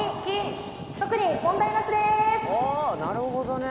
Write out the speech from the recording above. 「おっなるほどね」